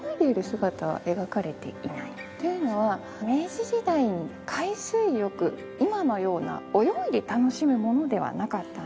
というのは明治時代の海水浴今のような泳いで楽しむものではなかったんですね。